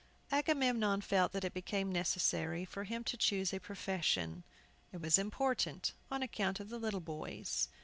AGAMEMNON felt that it became necessary for him to choose a profession. It was important on account of the little boys.